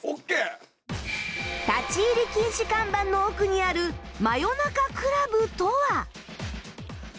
立ち入り禁止看板の奥にある真夜中倶楽部とは？